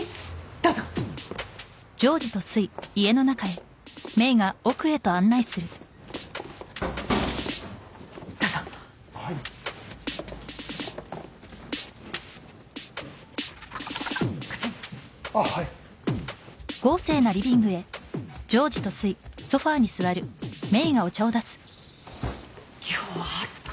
どうぞどうぞはいこっちあっはい今日あっつ！